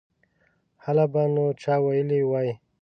هله به نو چا ویلي وای.